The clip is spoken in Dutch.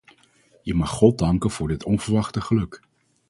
Je mag god danken voor dit onverwachte geluk.